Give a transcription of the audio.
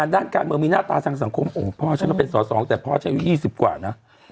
แบบมีหน้าตาสังคมพ่อฉันเป็นหน้าสองแต่พ่อแช่๒๐กว่านะ